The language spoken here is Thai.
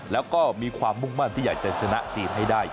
แล้วก็มีความมุ่งมั่นที่อยากจะชนะจีนให้ได้